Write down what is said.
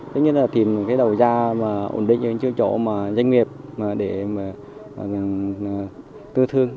tính như là tìm cái đầu ra mà ổn định những chỗ mà doanh nghiệp tư thương